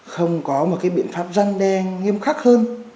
không có một cái biện pháp răn đe nghiêm khắc hơn